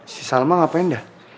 si salma ngapain dah